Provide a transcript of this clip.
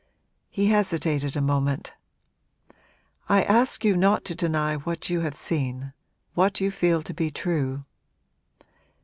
He hesitated a moment. 'I ask you not to deny what you have seen what you feel to be true.'